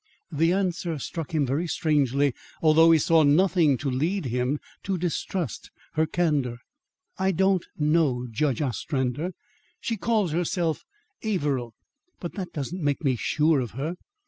The answer struck him very strangely, though he saw nothing to lead him to distrust her candour. "I don't know, Judge Ostrander. She calls herself Averill, but that doesn't make me sure of her.